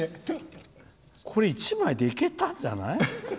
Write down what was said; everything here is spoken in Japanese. これ１枚でいけたんじゃない？